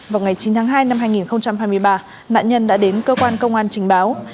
vào ngày chín tháng hai năm hai nghìn hai mươi ba nạn nhân đã đến cơ quan công an trình báo